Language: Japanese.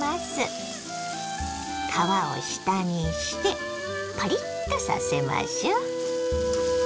皮を下にしてパリッとさせましょ。